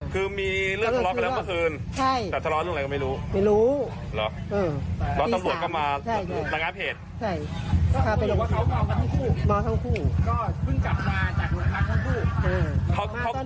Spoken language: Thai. คือมีเรื่องทะเลาะกันแล้วเมื่อคืน